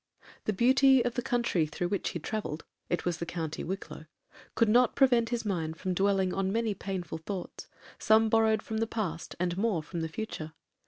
The beauty of the country through which he travelled (it was the county Wicklow) could not prevent his mind from dwelling on many painful thoughts, some borrowed from the past, and more from the future.